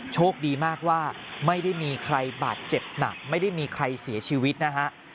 โชคดีมากว่าไม่ได้มีใครบาดเจ็บหนักไม่ได้มีใครเสียชีวิตนะฮะ